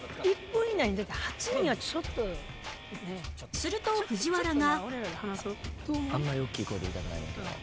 すると藤原が